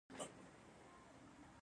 خدای د حقې لارې مل دی